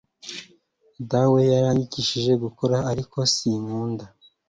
Dawe yaranyigishije gukora ariko sinkunda